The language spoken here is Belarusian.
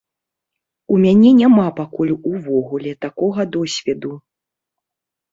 У мяне няма пакуль увогуле такога досведу.